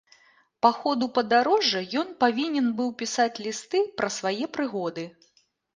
Па ходу падарожжа ён павінен быў пісаць лісты пра свае прыгоды.